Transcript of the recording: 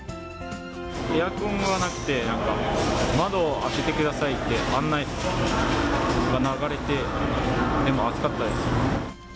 エアコンがなくて、窓を開けてくださいって案内が流れて、でも暑かったです。